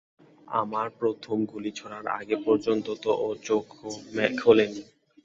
আমার প্রথম গুলি ছোঁড়ার আগে পর্যন্ত তো ও নিজের চোখও খোলেনি।